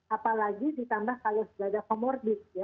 apalagi ditambah kalau seberada komorbid ya